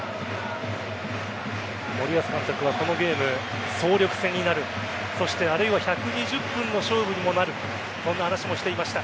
森保監督はこのゲーム総力戦になるそしてあるいは１２０分の勝負にもなるこんな話もしていました。